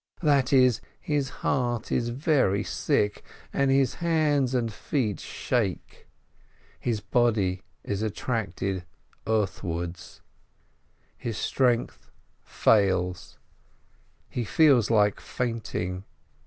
That is, his heart is very sick, and his hands and feet shake ; his body is attracted earthwards, his strength 150 SHOLOM ALECHEM fails, he feels like fainting.